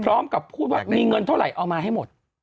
พร้อมกับพูดว่ามีเงินเท่าไหร่เอามาให้หมด